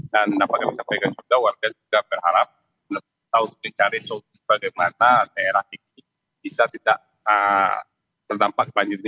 dan apakah bisa dikatakan juga warga juga berharap mencari soal bagaimana daerah ini bisa tidak terdampak banjir ini